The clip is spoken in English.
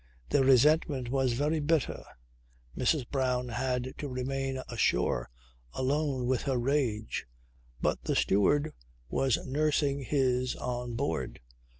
Their resentment was very bitter. Mrs. Brown had to remain ashore alone with her rage, but the steward was nursing his on board.